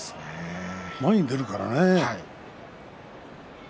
前に出るからね。